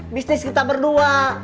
bisnis kita berdua